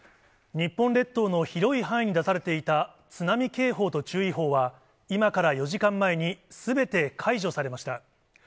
日本列島の広い範囲に出されていた津波警報と注意報は、今から４時間前にすべて解除されました。